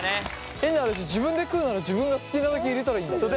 変な話自分で食うなら自分が好きなだけ入れたらいいんだもんね。